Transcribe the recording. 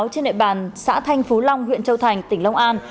trên địa bàn xã thanh phú long huyện châu thành tỉnh long an